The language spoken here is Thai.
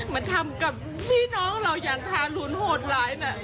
มาทำกับพี่น้องเราอย่างทารุณโหดร้ายนะ